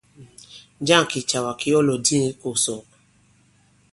Njâŋ kìcàwà ki ɔ lɔ̀dîŋ ikòsòk?